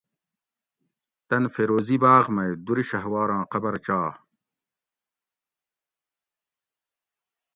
تن فیروزی باۤغ مئ دُرشھواراں قبر چا